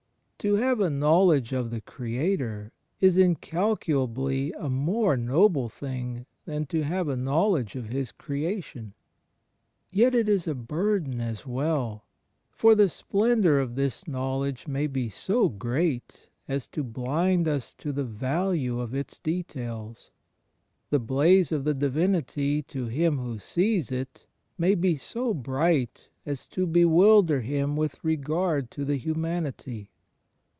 To have a knowl edge of the Creator is incalculably a more noble thing than to have a knowledge of His Creation. Yet it is a burden as well; for the splendour of this knowledge may be so great as to blind us to the value of its details. The blaze of the Divinity to him who sees it may be so bright as to bewilder him with regard to the hxmianity.